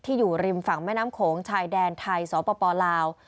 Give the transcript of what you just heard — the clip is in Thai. อยู่ริมฝั่งแม่น้ำโขงชายแดนไทยสปลาว